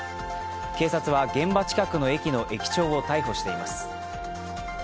警察は現場近くの駅の駅長を逮捕しています。